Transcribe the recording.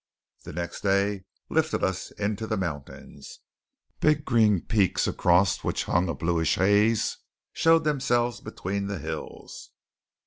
The next day lifted us into the mountains. Big green peaks across which hung a bluish haze showed themselves between the hills.